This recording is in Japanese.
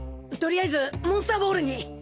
とりあえずモンスターボールに。